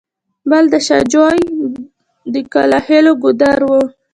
بل د شاه جوی د کلاخېلو ګودر و.